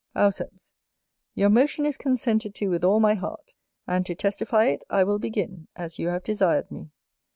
Auceps. Your motion is consented to with all my heart; and to testify it, I will begin as you have desired me.